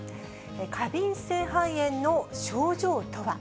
過敏性肺炎の症状とは。